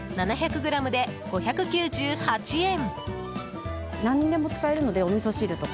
７００ｇで５９８円。